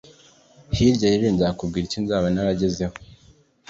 Hirya y’ejo nzakubwira icyo nzaba naragezeho